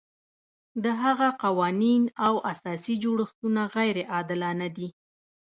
د هغه قوانین او اساسي جوړښتونه غیر عادلانه دي.